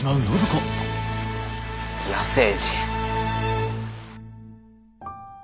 野生児。